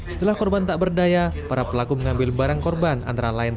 setelah korban tak berdaya para pelaku mengambil barang korban antara lain